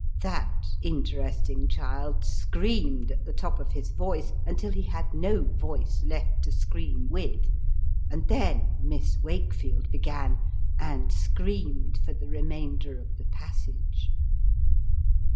That interesting child screamed at the top of his voice, until he had no voice left to scream with ; and then Miss Wakefield began, and screamed for the remainder of the passage.